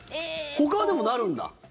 ほかは、でも、なるんだ？